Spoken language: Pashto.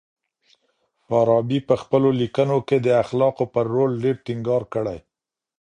فارابي په خپلو ليکنو کي د اخلاقو پر رول ډېر ټينګار کړی.